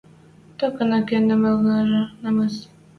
Токына кенем ылнежӹ – намыс.